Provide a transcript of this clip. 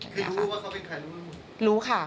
คือรู้ว่าเขาเป็นใครรู้หรือไม่รู้